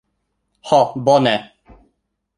Ho bone